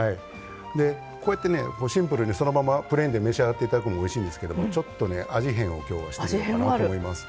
こうやってシンプルにそのままプレーンで召し上がっていただくのもおいしいんですけどちょっとね、味変を今日はしてみたいなと思います。